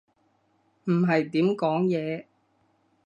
唔係點講嘢